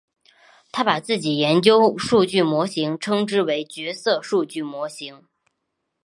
他把自己研究数据模型称之为角色数据模型。